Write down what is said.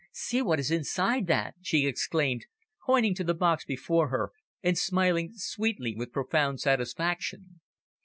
"See what is inside that," she exclaimed, pointing to the box before her, and smiling sweetly with profound satisfaction.